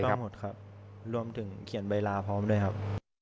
หมดครับรวมถึงเขียนใบลาพร้อมด้วยครับ